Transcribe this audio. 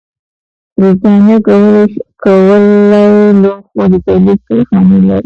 برېټانیا د کولالي لوښو د تولید کارخانې لرلې.